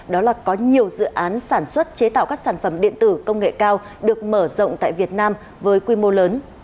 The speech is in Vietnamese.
đó là có nhiều dự án sản xuất chế tạo các sản phẩm điện tử công nghệ cao được mở rộng tại việt nam với quy mô lớn